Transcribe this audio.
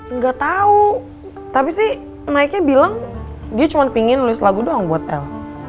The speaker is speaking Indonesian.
enggak tahu tapi sih mike nya bilang dia cuma pengen nulis lagu doang buat l